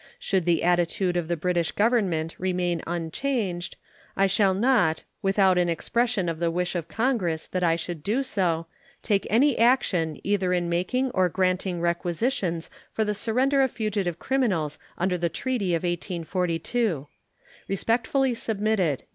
Should the attitude of the British Government remain unchanged, I shall not, without an expression of the wish of Congress that I should do so, take any action either in making or granting requisitions for the surrender of fugitive criminals under the treaty of 1842. Respectfully submitted.